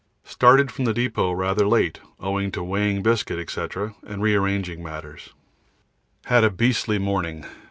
Started from the depot rather late owing to weighing biscuit, &c., and rearranging matters. Had a beastly morning.